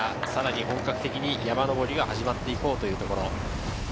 本格的に山上りが始まっていこうというところ。